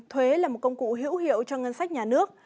thuế là một công cụ hữu hiệu cho ngân sách nhà nước